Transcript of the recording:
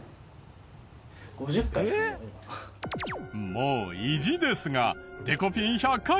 もう意地ですがデコピン１００回！